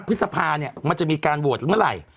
พฤษภาเนี่ยมันจะมีการโหวตหรือเมื่อไหร่